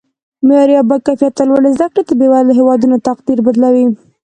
معیاري او با کیفته لوړې زده کړې د بیوزله هیوادونو تقدیر بدلوي